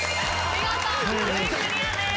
見事壁クリアです。